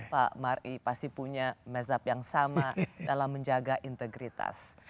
pak mari pasti punya mazhab yang sama dalam menjaga integritas